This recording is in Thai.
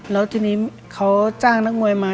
แล้วทีนี้เขาจ้างนักมวยมา